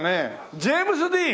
ジェームズ・ディーン！